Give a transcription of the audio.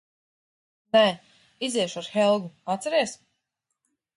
Nē. Iziešu ar Helgu, atceries?